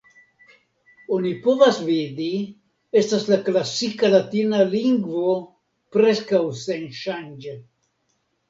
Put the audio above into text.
Oni povas vidi, estas la klasika latina lingvo preskaŭ senŝanĝe.